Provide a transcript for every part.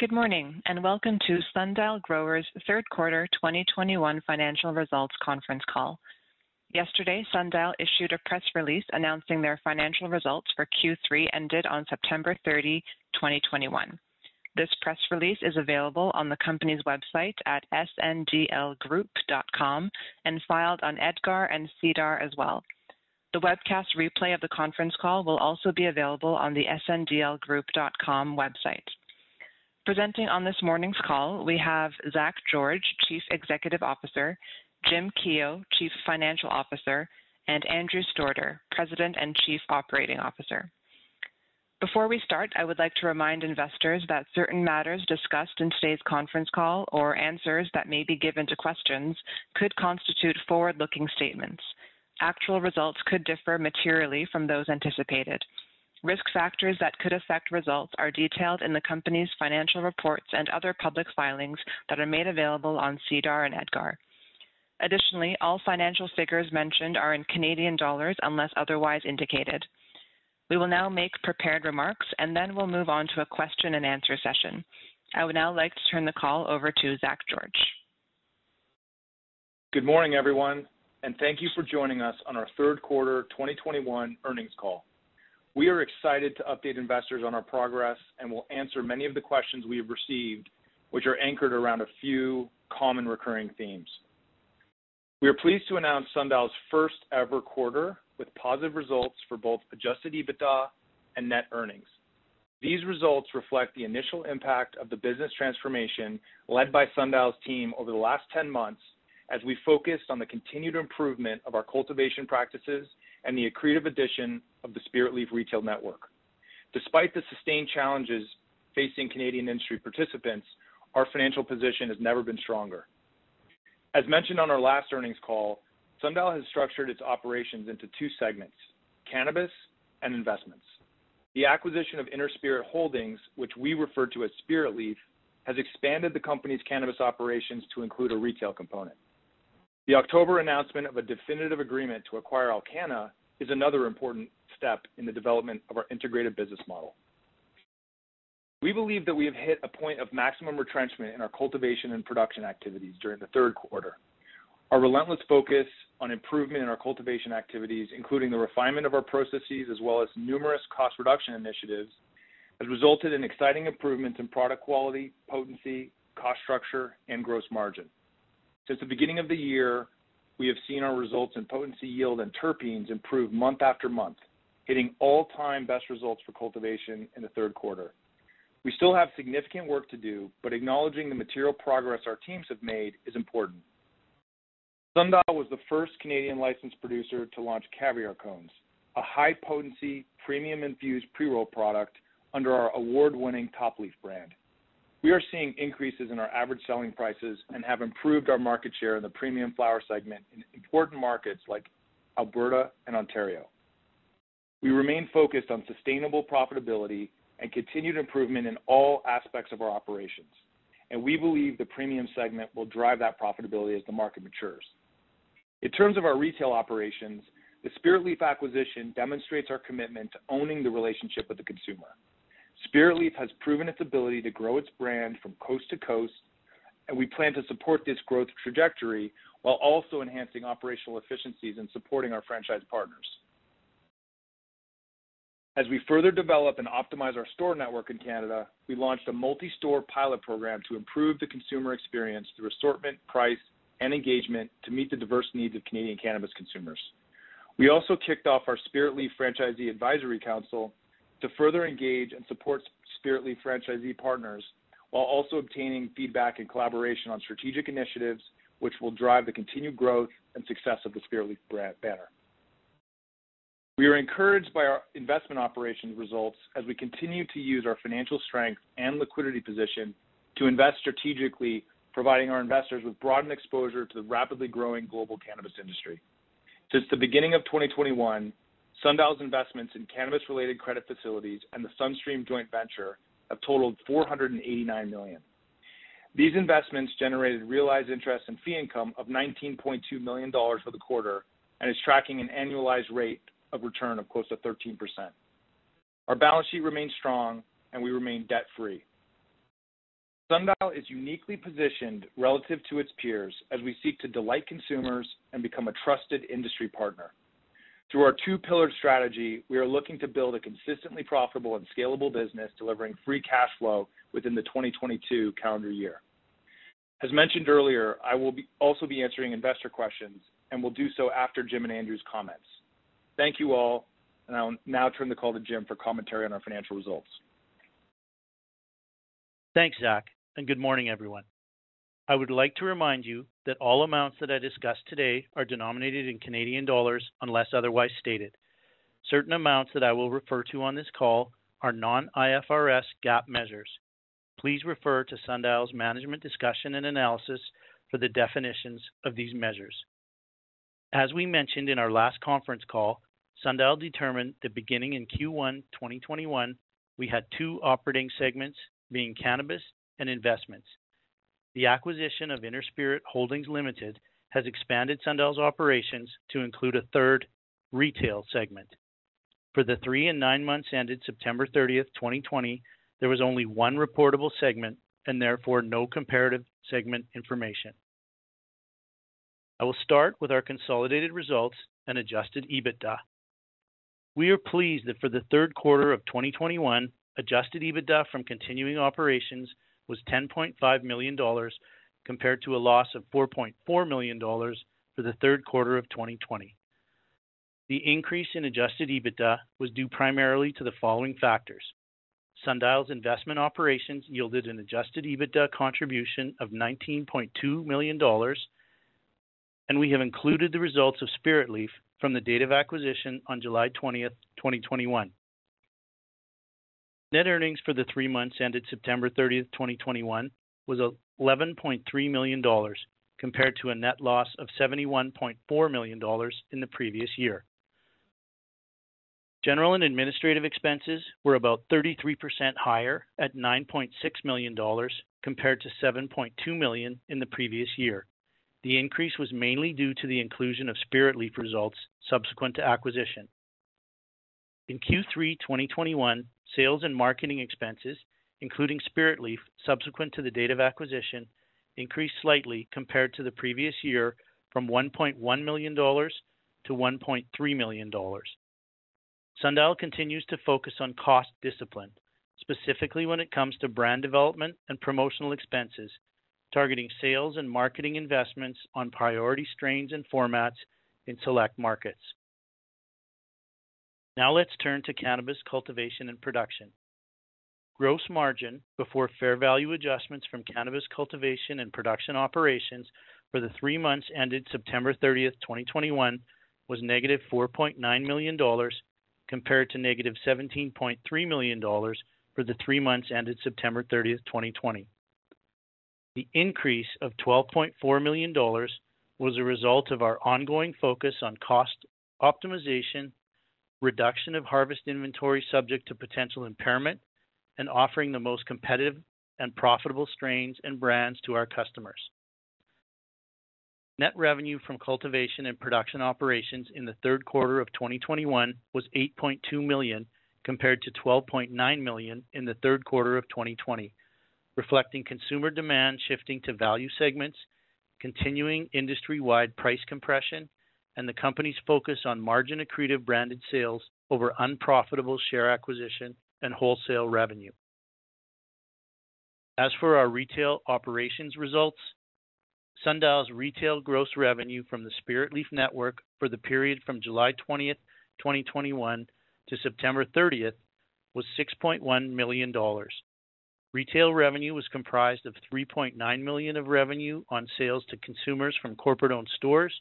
Good morning, and welcome to Sundial Growers third quarter 2021 financial results conference call. Yesterday, Sundial issued a press release announcing their financial results for Q3 ended on September 30, 2021. This press release is available on the company's website at sndl.com and filed on EDGAR and SEDAR as well. The webcast replay of the conference call will also be available on the sndl.com website. Presenting on this morning's call, we have Zach George, Chief Executive Officer, Jim Keough, Chief Financial Officer, and Andrew Stordeur, President and Chief Operating Officer. Before we start, I would like to remind investors that certain matters discussed in today's conference call or answers that may be given to questions could constitute forward-looking statements. Actual results could differ materially from those anticipated. Risk factors that could affect results are detailed in the company's financial reports and other public filings that are made available on SEDAR and EDGAR. Additionally, all financial figures mentioned are in Canadian dollars unless otherwise indicated. We will now make prepared remarks, and then we'll move on to a question-and-answer session. I would now like to turn the call over to Zach George. Good morning, everyone, and thank you for joining us on our third quarter 2021 earnings call. We are excited to update investors on our progress, and we'll answer many of the questions we have received, which are anchored around a few common recurring themes. We are pleased to announce Sundial's first-ever quarter with positive results for both adjusted EBITDA and net earnings. These results reflect the initial impact of the business transformation led by Sundial's team over the last 10 months as we focused on the continued improvement of our cultivation practices and the accretive addition of the Spiritleaf retail network. Despite the sustained challenges facing Canadian industry participants, our financial position has never been stronger. As mentioned on our last earnings call, Sundial has structured its operations into two segments: Cannabis and Investments. The acquisition of Inner Spirit Holdings, which we refer to as Spiritleaf, has expanded the company's cannabis operations to include a retail component. The October announcement of a definitive agreement to acquire Alcanna is another important step in the development of our integrated business model. We believe that we have hit a point of maximum retrenchment in our cultivation and production activities during the third quarter. Our relentless focus on improvement in our cultivation activities, including the refinement of our processes as well as numerous cost reduction initiatives, has resulted in exciting improvements in product quality, potency, cost structure, and gross margin. Since the beginning of the year, we have seen our results in potency, yield, and terpenes improve month after month, hitting all-time best results for cultivation in the third quarter. We still have significant work to do, but acknowledging the material progress our teams have made is important. Sundial was the first Canadian licensed producer to launch Caviar Cones, a high-potency premium infused pre-roll product under our award-winning Top Leaf brand. We are seeing increases in our average selling prices and have improved our market share in the premium flower segment in important markets like Alberta and Ontario. We remain focused on sustainable profitability and continued improvement in all aspects of our operations, and we believe the premium segment will drive that profitability as the market matures. In terms of our retail operations, the Spiritleaf acquisition demonstrates our commitment to owning the relationship with the consumer. Spiritleaf has proven its ability to grow its brand from coast to coast, and we plan to support this growth trajectory while also enhancing operational efficiencies and supporting our franchise partners. As we further develop and optimize our store network in Canada, we launched a multi-store pilot program to improve the consumer experience through assortment, price, and engagement to meet the diverse needs of Canadian cannabis consumers. We also kicked off our Spiritleaf Franchisee Advisory Council to further engage and support Spiritleaf franchisee partners while also obtaining feedback and collaboration on strategic initiatives which will drive the continued growth and success of the Spiritleaf banner. We are encouraged by our investment operations results as we continue to use our financial strength and liquidity position to invest strategically, providing our investors with broadened exposure to the rapidly growing global cannabis industry. Since the beginning of 2021, Sundial's investments in cannabis-related credit facilities and the Sunstream joint venture have totaled 489 million. These investments generated realized interest in fee income of 19.2 million dollars for the quarter and is tracking an annualized rate of return of close to 13%. Our balance sheet remains strong, and we remain debt-free. Sundial is uniquely positioned relative to its peers as we seek to delight consumers and become a trusted industry partner. Through our two-pillared strategy, we are looking to build a consistently profitable and scalable business, delivering free cash flow within the 2022 calendar year. As mentioned earlier, I will also be answering investor questions and will do so after Jim and Andrew's comments. Thank you all, and I'll now turn the call to Jim for commentary on our financial results. Thanks, Zach, and good morning, everyone. I would like to remind you that all amounts that I discuss today are denominated in Canadian dollars unless otherwise stated. Certain amounts that I will refer to on this call are non-IFRS non-GAAP measures. Please refer to Sundial's management discussion and analysis for the definitions of these measures. We mentioned in our last conference call, Sundial determined that beginning in Q1 2021, we had two operating segments, being cannabis and investments. The acquisition of Inner Spirit Holdings Ltd. has expanded Sundial's operations to include a third retail segment. For the three and nine months ended September 30, 2020, there was only one reportable segment and therefore no comparative segment information. I will start with our consolidated results and adjusted EBITDA. We are pleased that for the third quarter of 2021, adjusted EBITDA from continuing operations was 10.5 million dollars compared to a loss of 4.4 million dollars for the third quarter of 2020. The increase in adjusted EBITDA was due primarily to the following factors. Sundial's investment operations yielded an adjusted EBITDA contribution of 19.2 million dollars, and we have included the results of Spiritleaf from the date of acquisition on July 20, 2021. Net earnings for the three months ended September 30, 2021 was 11.3 million dollars compared to a net loss of 71.4 million dollars in the previous year. General and administrative expenses were about 33% higher at 9.6 million dollars compared to 7.2 million in the previous year. The increase was mainly due to the inclusion of Spiritleaf results subsequent to acquisition. In Q3 2021, sales and marketing expenses, including Spiritleaf subsequent to the date of acquisition, increased slightly compared to the previous year from 1.1 million dollars to 1.3 million dollars. Sundial continues to focus on cost discipline, specifically when it comes to brand development and promotional expenses, targeting sales and marketing investments on priority strains and formats in select markets. Now let's turn to cannabis cultivation and production. Gross margin before fair value adjustments from cannabis cultivation and production operations for the three months ended September 30, 2021 was negative 4.9 million dollars, compared to negative 17.3 million dollars for the three months ended September 30, 2020. The increase of 12.4 million dollars was a result of our ongoing focus on cost optimization, reduction of harvest inventory subject to potential impairment, and offering the most competitive and profitable strains and brands to our customers. Net revenue from cultivation and production operations in the third quarter of 2021 was 8.2 million compared to 12.9 million in the third quarter of 2020, reflecting consumer demand shifting to value segments, continuing industry-wide price compression, and the company's focus on margin-accretive branded sales over unprofitable share acquisition and wholesale revenue. As for our retail operations results, Sundial's retail gross revenue from the Spiritleaf network for the period from July 20, 2021 to September 30 was 6.1 million dollars. Retail revenue was comprised of 3.9 million of revenue on sales to consumers from corporate-owned stores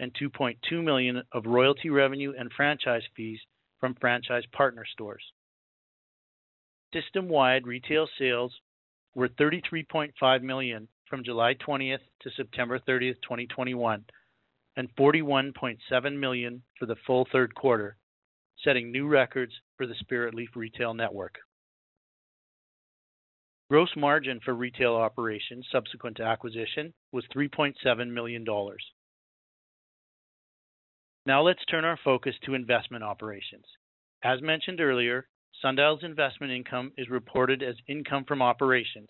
and 2.2 million of royalty revenue and franchise fees from franchise partner stores. System-wide retail sales were 33.5 million from July 20th, 2021 to September 30, 2021, and 41.7 million for the full third quarter, setting new records for the Spiritleaf retail network. Gross margin for retail operations subsequent to acquisition was CAD 3.7 million. Now let's turn our focus to investment operations. As mentioned earlier, Sundial's investment income is reported as income from operations,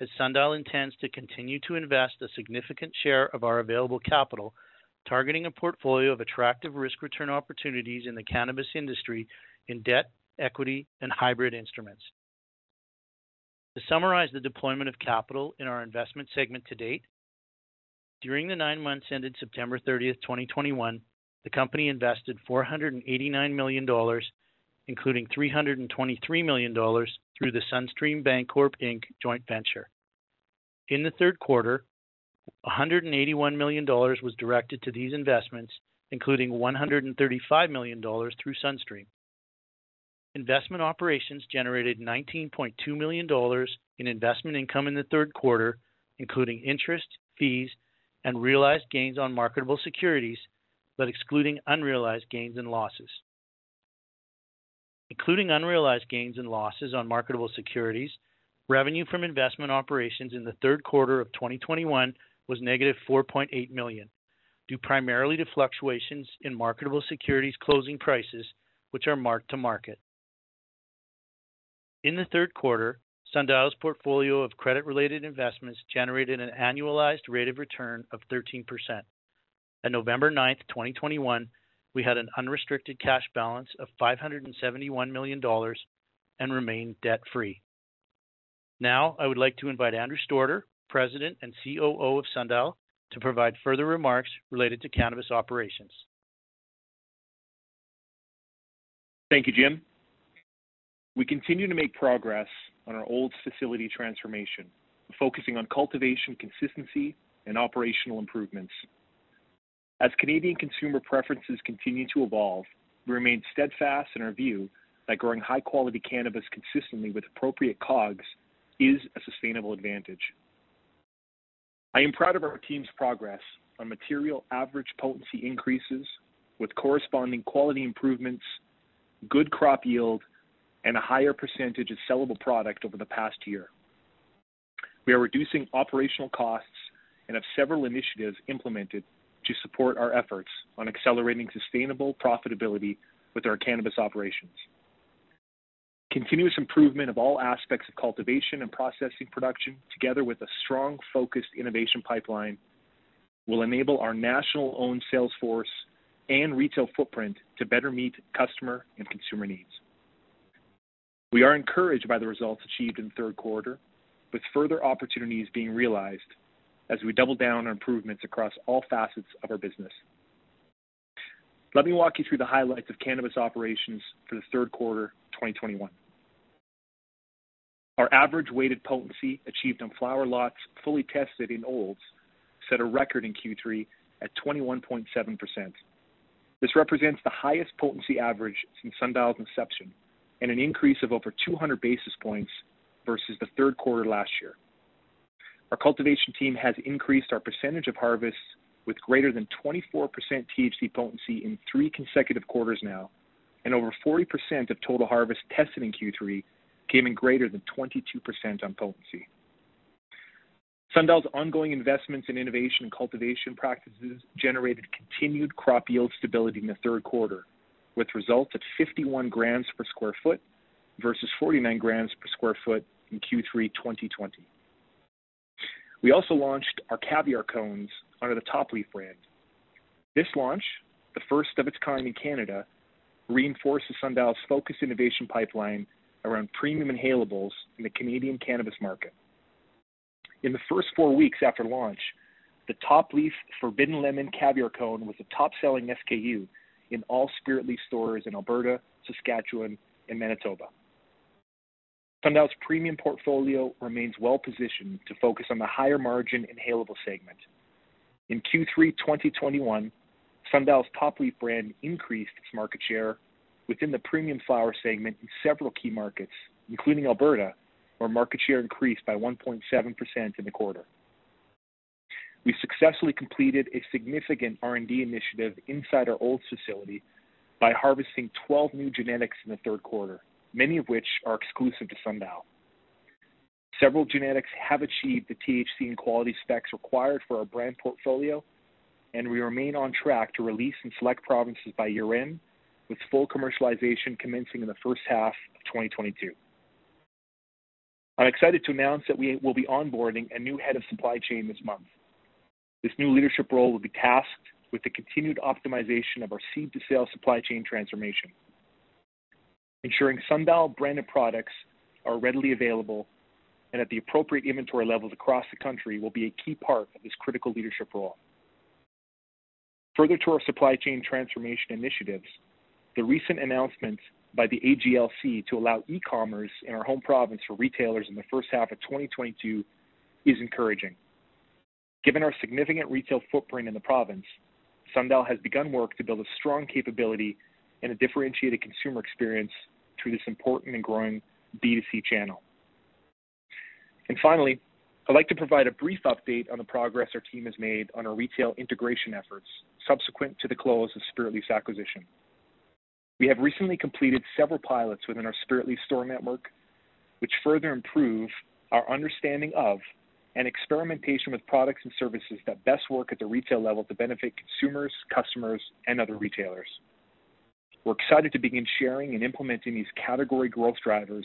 as Sundial intends to continue to invest a significant share of our available capital, targeting a portfolio of attractive risk-return opportunities in the cannabis industry in debt, equity, and hybrid instruments. To summarize the deployment of capital in our investment segment to date, during the nine months ended September 30th, 2021, the company invested 489 million dollars, including 323 million dollars through the SunStream Bancorp Inc. joint venture. In the third quarter, 181 million dollars was directed to these investments, including 135 million dollars through SunStream. Investment operations generated 19.2 million dollars in investment income in the third quarter, including interest, fees, and realized gains on marketable securities, but excluding unrealized gains and losses. Including unrealized gains and losses on marketable securities, revenue from investment operations in the third quarter of 2021 was -4.8 million, due primarily to fluctuations in marketable securities closing prices, which are marked to market. In the third quarter, Sundial's portfolio of credit-related investments generated an annualized rate of return of 13%. On November 9, 2021, we had an unrestricted cash balance of 571 million dollars and remained debt-free. Now, I would like to invite Andrew Stordeur, President and COO of Sundial, to provide further remarks related to cannabis operations. Thank you, Jim. We continue to make progress on our Olds facility transformation, focusing on cultivation consistency and operational improvements. As Canadian consumer preferences continue to evolve, we remain steadfast in our view that growing high-quality cannabis consistently with appropriate COGS is a sustainable advantage. I am proud of our team's progress on material average potency increases with corresponding quality improvements, good crop yield, and a higher percentage of sellable product over the past year. We are reducing operational costs and have several initiatives implemented to support our efforts on accelerating sustainable profitability with our cannabis operations. Continuous improvement of all aspects of cultivation and processing production, together with a strong, focused innovation pipeline, will enable our nationally owned sales force and retail footprint to better meet customer and consumer needs. We are encouraged by the results achieved in the third quarter, with further opportunities being realized as we double down on improvements across all facets of our business. Let me walk you through the highlights of cannabis operations for the third quarter of 2021. Our average weighted potency achieved on flower lots fully tested in Olds set a record in Q3 at 21.7%. This represents the highest potency average since Sundial's inception and an increase of over 200 basis points versus the third quarter last year. Our cultivation team has increased our percentage of harvests with greater than 24% THC potency in three consecutive quarters now, and over 40% of total harvest tested in Q3 came in greater than 22% on potency. Sundial's ongoing investments in innovation and cultivation practices generated continued crop yield stability in the third quarter, with results at 51 grams per sq. ft. versus 49 grams per sq. ft. in Q3 2020. We also launched our Caviar Cones under the Top Leaf brand. This launch, the first of its kind in Canada, reinforces Sundial's focused innovation pipeline around premium inhalables in the Canadian cannabis market. In the first four weeks after launch, the Top Leaf Forbidden Lemon Caviar Cone was the top-selling SKU in all Spiritleaf stores in Alberta, Saskatchewan, and Manitoba. Sundial's premium portfolio remains well-positioned to focus on the higher-margin inhalable segment. In Q3 2021, Sundial's Top Leaf brand increased its market share within the premium flower segment in several key markets, including Alberta, where market share increased by 1.7% in the quarter. We successfully completed a significant R&D initiative inside our Olds facility by harvesting 12 new genetics in the third quarter, many of which are exclusive to Sundial. Several genetics have achieved the THC and quality specs required for our brand portfolio, and we remain on track to release in select provinces by year-end, with full commercialization commencing in the first half of 2022. I'm excited to announce that we will be onboarding a new head of supply chain this month. This new leadership role will be tasked with the continued optimization of our seed-to-sale supply chain transformation. Ensuring Sundial branded products are readily available and at the appropriate inventory levels across the country will be a key part of this critical leadership role. Further to our supply chain transformation initiatives, the recent announcement by the AGLC to allow e-commerce in our home province for retailers in the first half of 2022 is encouraging. Given our significant retail footprint in the province, Sundial has begun work to build a strong capability and a differentiated consumer experience through this important and growing B2C channel. And finally, I'd like to provide a brief update on the progress our team has made on our retail integration efforts subsequent to the close of Spiritleaf's acquisition. We have recently completed several pilots within our Spiritleaf store network, which further improve our understanding of and experimentation with products and services that best work at the retail level to benefit consumers, customers, and other retailers. We're excited to begin sharing and implementing these category growth drivers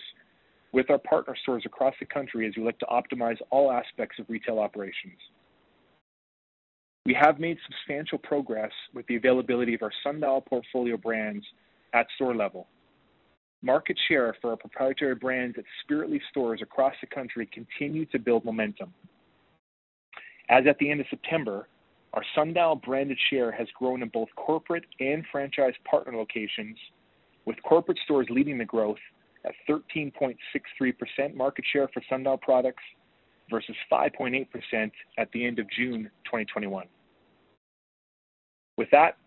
with our partner stores across the country as we look to optimize all aspects of retail operations. We have made substantial progress with the availability of our Sundial portfolio brands at store level. Market share for our proprietary brands at Spiritleaf stores across the country continues to build momentum. As at the end of September, our Sundial-branded share has grown in both corporate and franchise partner locations, with corporate stores leading the growth at 13.63% market share for Sundial products versus 5.8% at the end of June 2021. With that,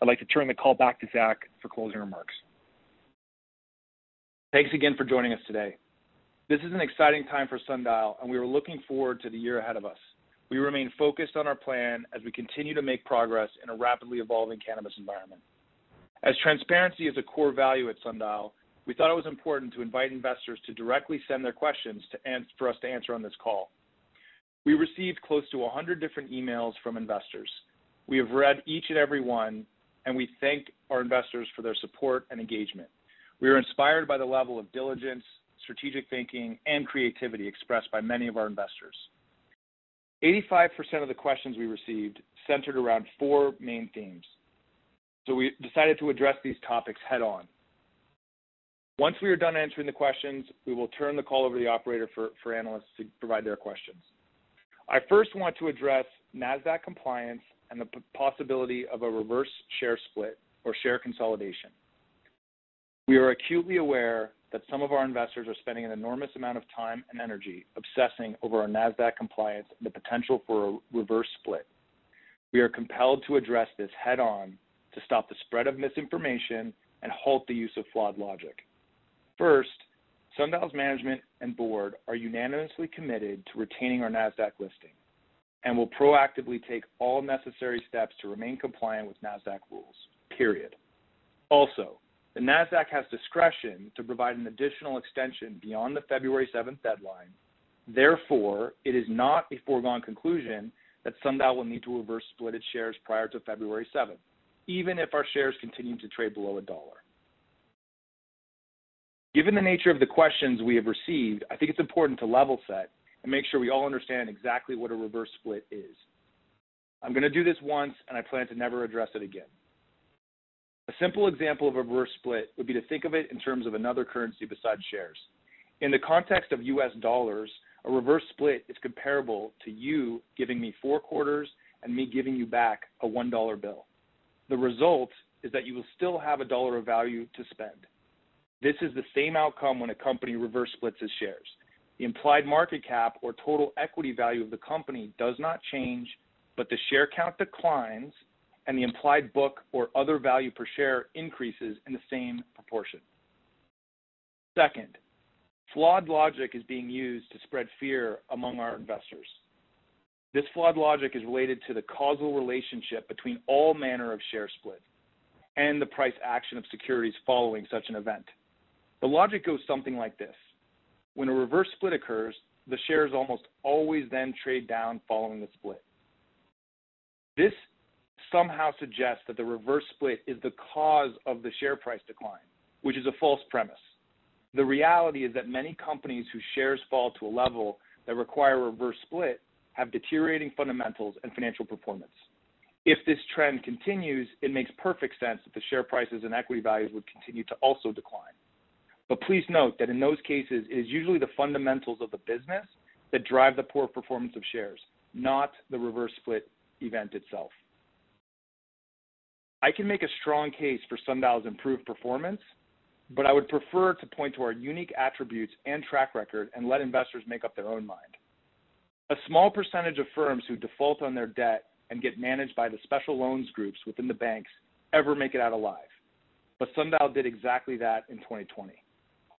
I'd like to turn the call back to Zach for closing remarks. Thanks again for joining us today. This is an exciting time for Sundial, and we are looking forward to the year ahead of us. We remain focused on our plan as we continue to make progress in a rapidly evolving cannabis environment. As transparency is a core value at Sundial, we thought it was important to invite investors to directly send their questions for us to answer on this call. We received close to 100 different emails from investors. We have read each and every one, and we thank our investors for their support and engagement. We are inspired by the level of diligence, strategic thinking, and creativity expressed by many of our investors. 85% of the questions we received centered around four main themes. We decided to address these topics head-on. Once we are done answering the questions, we will turn the call over to the operator for analysts to provide their questions. I first want to address Nasdaq compliance and the possibility of a reverse share split or share consolidation. We are acutely aware that some of our investors are spending an enormous amount of time and energy obsessing over our Nasdaq compliance and the potential for a reverse split. We are compelled to address this head-on to stop the spread of misinformation and halt the use of flawed logic. First, Sundial's management and board are unanimously committed to retaining our Nasdaq listing, and will proactively take all necessary steps to remain compliant with Nasdaq rules, period. Also, the Nasdaq has discretion to provide an additional extension beyond the February seventh deadline. Therefore, it is not a foregone conclusion that Sundial will need to reverse split its shares prior to February seventh, even if our shares continue to trade below $1. Given the nature of the questions we have received, I think it's important to level set and make sure we all understand exactly what a reverse split is. I'm gonna do this once, and I plan to never address it again. A simple example of a reverse split would be to think of it in terms of another currency besides shares. In the context of U.S. dollars, a reverse split is comparable to you giving me four quarters and me giving you back a $1 bill. The result is that you will still have $1 of value to spend. This is the same outcome when a company reverse splits its shares. The implied market cap or total equity value of the company does not change, but the share count declines and the implied book or other value per share increases in the same proportion. Second, flawed logic is being used to spread fear among our investors. This flawed logic is related to the causal relationship between all manner of share split and the price action of securities following such an event. The logic goes something like this. When a reverse split occurs, the shares almost always then trade down following the split. This somehow suggests that the reverse split is the cause of the share price decline, which is a false premise. The reality is that many companies whose shares fall to a level that require a reverse split have deteriorating fundamentals and financial performance. If this trend continues, it makes perfect sense that the share prices and equity values would continue to also decline. Please note that in those cases, it is usually the fundamentals of the business that drive the poor performance of shares, not the reverse split event itself. I can make a strong case for Sundial's improved performance, but I would prefer to point to our unique attributes and track record and let investors make up their own mind. A small percentage of firms who default on their debt and get managed by the special loans groups within the banks ever make it out alive. Sundial did exactly that in 2020.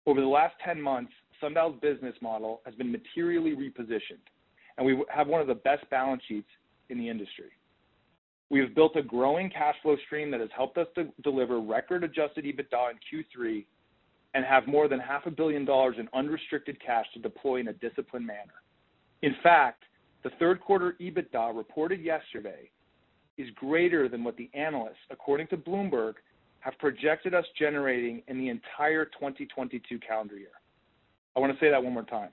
Over the last 10 months, Sundial's business model has been materially repositioned, and we have one of the best balance sheets in the industry. We have built a growing cash flow stream that has helped us to deliver record adjusted EBITDA in Q3 and have more than half a billion dollars in unrestricted cash to deploy in a disciplined manner. In fact, the third quarter EBITDA reported yesterday is greater than what the analysts, according to Bloomberg, have projected us generating in the entire 2022 calendar year. I want to say that one more time.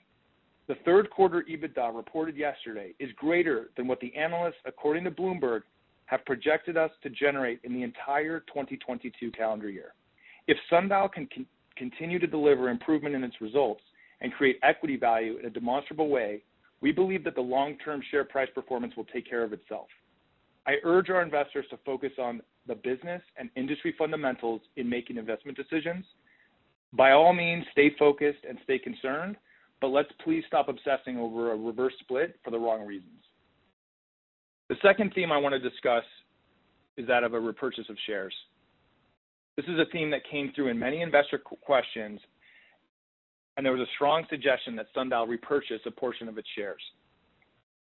The third quarter EBITDA reported yesterday is greater than what the analysts, according to Bloomberg, have projected us to generate in the entire 2022 calendar year. If Sundial can continue to deliver improvement in its results and create equity value in a demonstrable way, we believe that the long-term share price performance will take care of itself. I urge our investors to focus on the business and industry fundamentals in making investment decisions. By all means, stay focused and stay concerned, but let's please stop obsessing over a reverse split for the wrong reasons. The second theme I want to discuss is that of a repurchase of shares. This is a theme that came through in many investor questions, and there was a strong suggestion that Sundial repurchase a portion of its shares.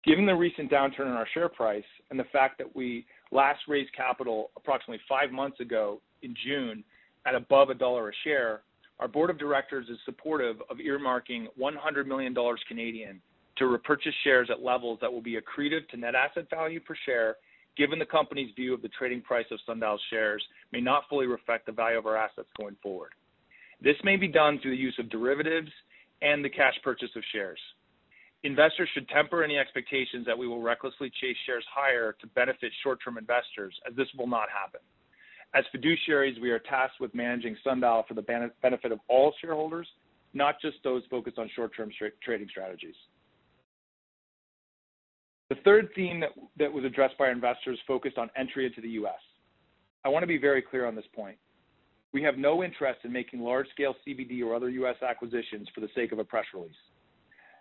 Given the recent downturn in our share price and the fact that we last raised capital approximately five months ago in June at above $1 a share, our board of directors is supportive of earmarking 100 million Canadian dollars to repurchase shares at levels that will be accretive to net asset value per share, given the company's view of the trading price of Sundial's shares may not fully reflect the value of our assets going forward. This may be done through the use of derivatives and the cash purchase of shares. Investors should temper any expectations that we will recklessly chase shares higher to benefit short-term investors, as this will not happen. As fiduciaries, we are tasked with managing Sundial for the benefit of all shareholders, not just those focused on short-term trading strategies. The third theme that was addressed by our investors focused on entry into the U.S. I want to be very clear on this point. We have no interest in making large-scale CBD or other U.S. acquisitions for the sake of a press release.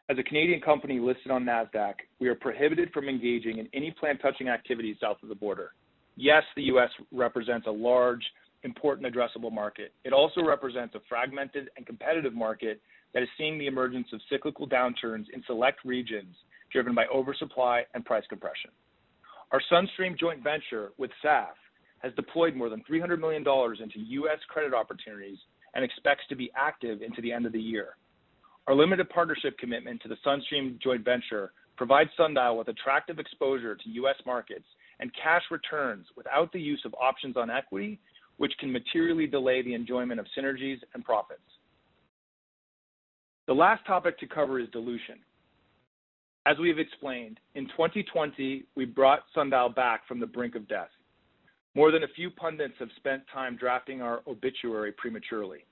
As a Canadian company listed on Nasdaq, we are prohibited from engaging in any plant-touching activities south of the border. Yes, the U.S. represents a large, important addressable market. It also represents a fragmented and competitive market that is seeing the emergence of cyclical downturns in select regions driven by oversupply and price compression. Our SunStream joint venture with SAF has deployed more than $300 million into U.S. credit opportunities and expects to be active into the end of the year. Our limited partnership commitment to the SunStream joint venture provides Sundial with attractive exposure to U.S. markets and cash returns without the use of options on equity, which can materially delay the enjoyment of synergies and profits. The last topic to cover is dilution. As we have explained, in 2020, we brought Sundial back from the brink of death. More than a few pundits have spent time drafting our obituary prematurely.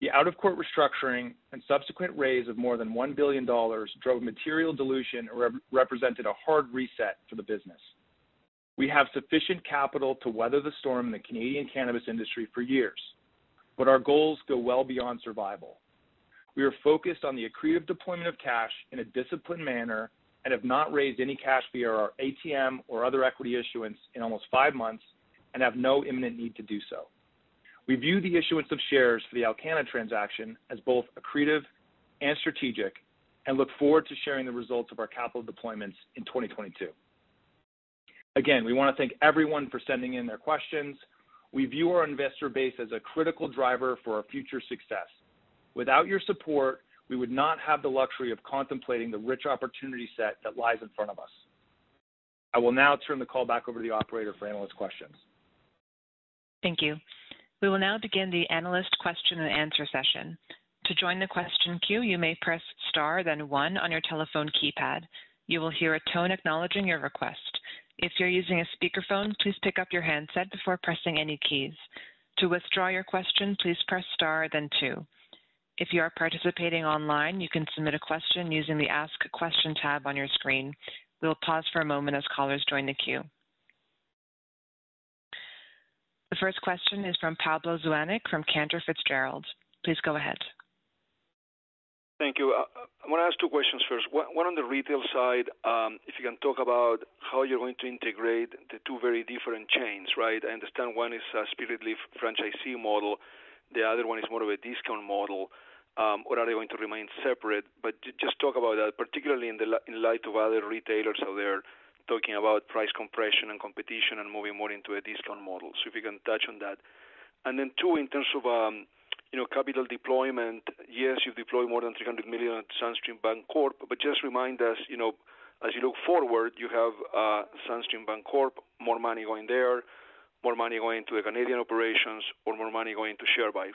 The out-of-court restructuring and subsequent raise of more than $1 billion drove material dilution, represented a hard reset for the business. We have sufficient capital to weather the storm in the Canadian cannabis industry for years, but our goals go well beyond survival. We are focused on the accretive deployment of cash in a disciplined manner and have not raised any cash via our ATM or other equity issuance in almost five months and have no imminent need to do so. We view the issuance of shares for the Alcanna transaction as both accretive and strategic and look forward to sharing the results of our capital deployments in 2022. Again, we wanna thank everyone for sending in their questions. We view our investor base as a critical driver for our future success. Without your support, we would not have the luxury of contemplating the rich opportunity set that lies in front of us. I will now turn the call back over to the operator for analyst questions. Thank you. We will now begin the analyst question and answer session. To join the question queue, you may press star then one on your telephone keypad. You will hear a tone acknowledging your request. If you're using a speakerphone, please pick up your handset before pressing any keys. To withdraw your question, please press star then two. If you are participating online, you can submit a question using the ask question tab on your screen. We will pause for a moment as callers join the queue. The first question is from Pablo Zuanic, from Cantor Fitzgerald. Please go ahead. Thank you. I wanna ask two questions first, one on the retail side, if you can talk about how you're going to integrate the two very different chains, right? I understand one is a Spiritleaf franchisee model, the other one is more of a discount model. Or are they going to remain separate? But just talk about that, particularly in light of other retailers out there talking about price compression and competition and moving more into a discount model. If you can touch on that. And then two, in terms of, you know, capital deployment. Yes, you've deployed more than 300 million at SunStream Bancorp, but just remind us, you know, as you look forward, you have SunStream Bancorp, more money going there, more money going to the Canadian operations, or more money going to share buys,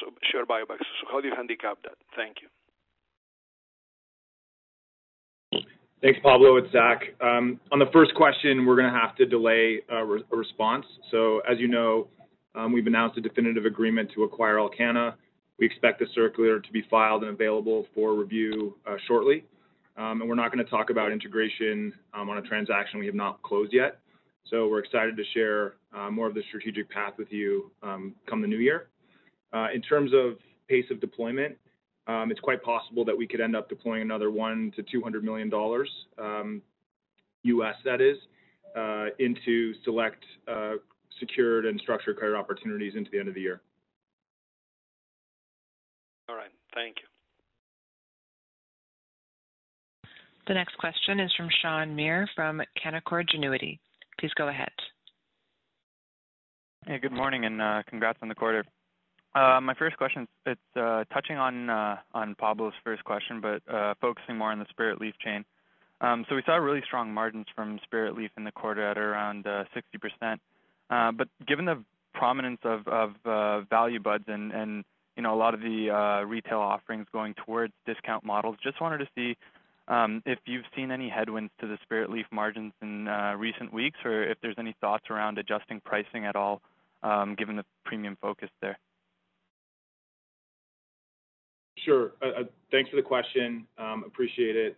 so share buybacks. How do you handicap that? Thank you. Thanks, Pablo. It's Zach. On the first question, we're gonna have to delay a response. So, as you know, we've announced a definitive agreement to acquire Alcanna. We expect the circular to be filed and available for review shortly. We're not gonna talk about integration on a transaction we have not closed yet. So, we're excited to share more of the strategic path with you come the new year. In terms of pace of deployment, it's quite possible that we could end up deploying another $100 million to $200 million US that is into select secured and structured credit opportunities into the end of the year. All right. Thank you. The next question is from Shaan Mir from Canaccord Genuity. Please go ahead. Hey, good morning, congrats on the quarter. My first question, it's touching on Pablo's first question, but focusing more on the Spiritleaf chain. We saw really strong margins from Spiritleaf in the quarter at around 60%. Given the prominence of Value Buds and you know, a lot of the retail offerings going towards discount models, just wanted to see if you've seen any headwinds to the Spiritleaf margins in recent weeks or if there's any thoughts around adjusting pricing at all, given the premium focus there? Sure. Thanks for the question. Appreciate it.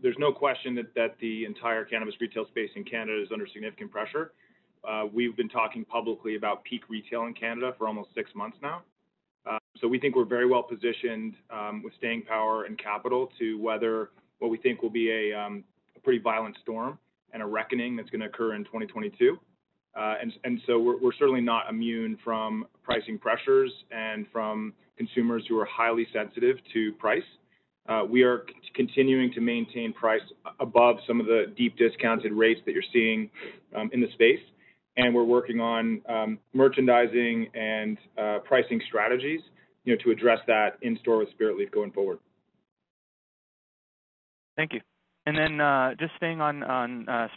There's no question that the entire cannabis retail space in Canada is under significant pressure. We've been talking publicly about peak retail in Canada for almost six months now. We think we're very well-positioned with staying power and capital to weather what we think will be a pretty violent storm and a reckoning that's gonna occur in 2022. We're certainly not immune from pricing pressures and from consumers who are highly sensitive to price. We are continuing to maintain prices above some of the deeply discounted rates that you're seeing in the space, and we're working on merchandising and pricing strategies, you know, to address that in-store with Spiritleaf going forward. Thank you. And then, just staying on the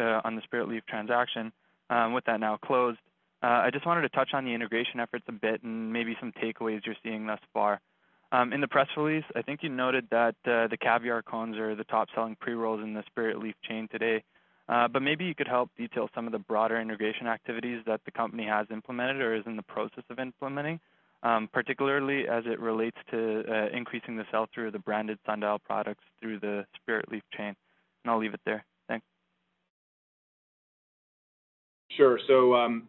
Spiritleaf transaction, with that now closed, I just wanted to touch on the integration efforts a bit and maybe some takeaways you're seeing thus far. In the press release, I think you noted that the Caviar Cones are the top-selling pre-rolls in the Spiritleaf chain today. Maybe you could help detail some of the broader integration activities that the company has implemented or is in the process of implementing, particularly as it relates to increasing the sell-through of the branded Sundial products through the Spiritleaf chain. I'll leave it there. Thanks. Sure. So,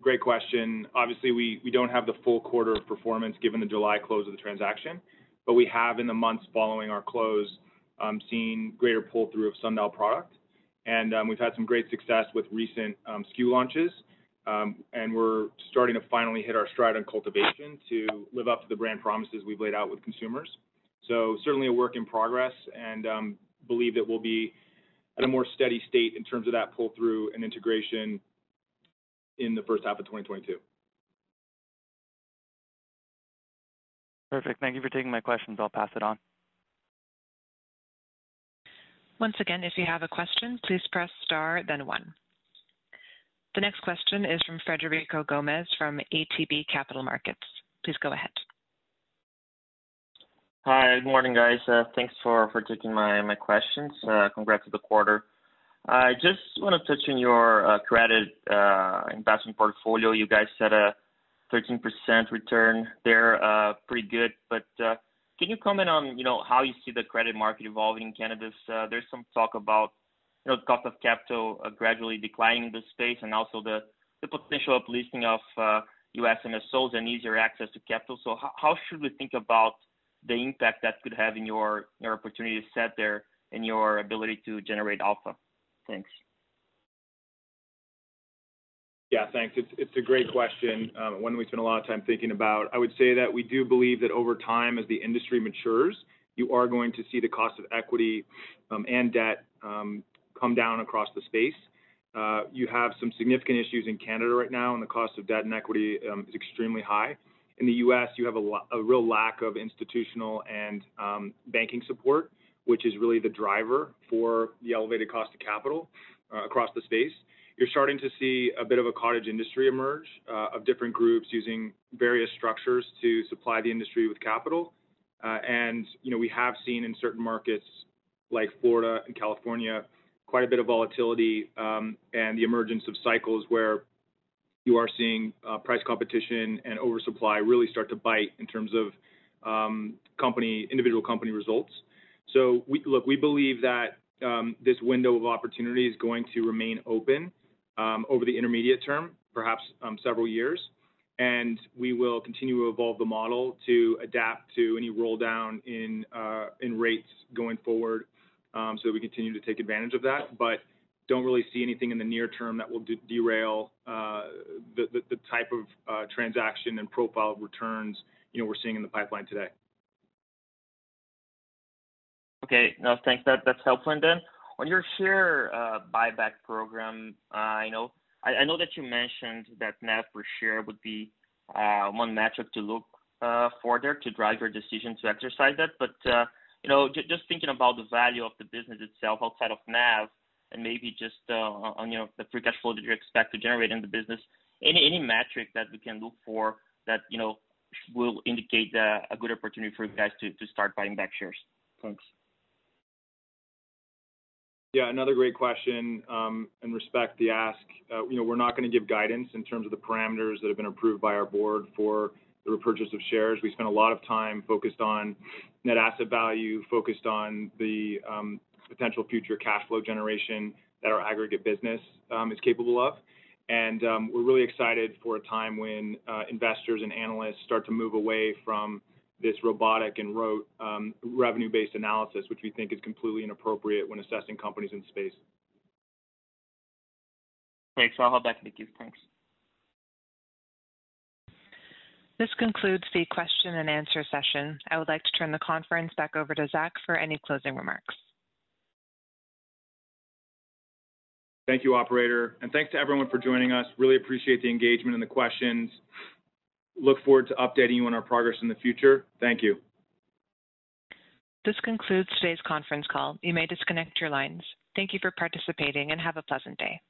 great question. Obviously, we don't have the full quarter of performance given the July close of the transaction, but we have, in the months following our close, seen greater pull-through of Sundial product. We've had some great success with recent SKU launches. And we're starting to finally hit our stride on cultivation to live up to the brand promises we've laid out with consumers. Certainly a work in progress and we believe that we'll be at a more steady state in terms of that pull-through and integration in the first half of 2022. Perfect. Thank you for taking my questions. I'll pass it on. The next question is from Frederico Gomes from ATB Capital Markets. Please go ahead. Hi, good morning, guys. Thanks for taking my questions. Congrats for the quarter. I just wanna touch on your credit investment portfolio. You guys set a 13% return there, pretty good. But can you comment on, you know, how you see the credit market evolving in Canada? There's some talk about you know, the cost of capital gradually declining the space and also the potential of leasing of U.S. MSOs and easier access to capital. How should we think about the impact that could have in your opportunity set there and your ability to generate alpha? Thanks. Yeah, thanks. It's a great question, one we spend a lot of time thinking about. I would say that we do believe that over time, as the industry matures, you are going to see the cost of equity and debt come down across the space. You have some significant issues in Canada right now, and the cost of debt and equity is extremely high. In the U.S., you have a real lack of institutional and banking support, which is really the driver for the elevated cost of capital across the space. You're starting to see a bit of a cottage industry emerge of different groups using various structures to supply the industry with capital. And you know, we have seen in certain markets, like Florida and California, quite a bit of volatility and the emergence of cycles where you are seeing price competition and oversupply really start to bite in terms of individual company results. So, look, we believe that this window of opportunity is going to remain open over the intermediate term, perhaps several years. And we will continue to evolve the model to adapt to any roll down in rates going forward, so we continue to take advantage of that, but don't really see anything in the near term that will derail the type of transaction and profile of returns you know, we're seeing in the pipeline today. Okay. No, thanks. That's helpful. On your share buyback program, you know, I know that you mentioned that NAV per share would be one metric to look further to drive your decision to exercise that. You know, just thinking about the value of the business itself outside of NAV and maybe just you know, the free cash flow that you expect to generate in the business. Any metric that we can look for that, you know, will indicate a good opportunity for you guys to start buying back shares? Thanks. Yeah, another great question, and respect the ask. You know, we're not gonna give guidance in terms of the parameters that have been approved by our board for the repurchase of shares. We spend a lot of time focused on net asset value, focused on the potential future cash flow generation that our aggregate business is capable of. And we're really excited for a time when investors and analysts start to move away from this robotic and rote revenue-based analysis, which we think is completely inappropriate when assessing companies in space. Great. I'll hold back the queue. Thanks. This concludes the question and answer session. I would like to turn the conference back over to Zach for any closing remarks. Thank you, operator. Thanks to everyone for joining us. Really appreciate the engagement and the questions. Look forward to updating you on our progress in the future. Thank you. This concludes today's conference call. You may disconnect your lines. Thank you for participating, and have a pleasant day.